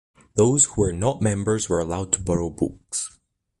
Those who were not members were allowed to borrow books.